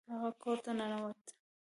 هغه کور ته ننوت.